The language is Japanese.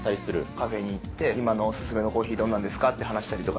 カフェに行ったりしてお勧めのコーヒーはどんなんですか？とか話したりとか。